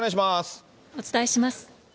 お伝えします。